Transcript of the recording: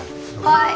はい。